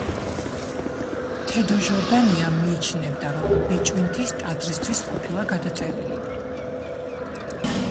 თედო ჟორდანია მიიჩნევდა, რომ ბიჭვინთის ტაძრისთვის ყოფილა გადაწერილი.